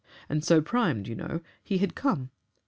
And so primed, you know, he had come."